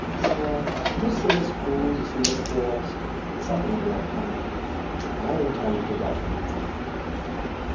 'Well, it was silver spoons or silver forks, or something of that kind. I had entirely forgotten the incident.